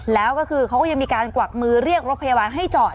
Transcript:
แล้วก็คือเขาก็ยังมีการกวักมือเรียกรถพยาบาลให้จอด